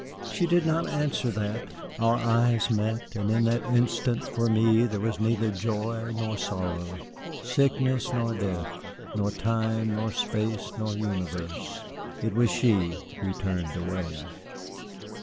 She did not answer that. Our eyes met, and in that instant for me there was neither joy nor sorrow, sickness nor death, nor time nor space nor universe. It was she who turned away.